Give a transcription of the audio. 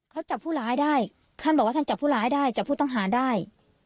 เขาจับผู้ร้ายได้ท่านบอกว่าท่านจับผู้ร้ายได้จับผู้ต้องหาได้